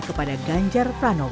kepada ganjar pranowo